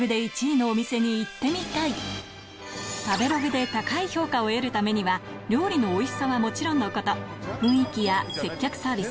食べログで高い評価を得るためには料理のおいしさはもちろんのこと雰囲気や接客サービス